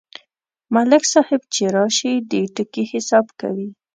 ملک صاحب چې راشي، د ټکي حساب کوي.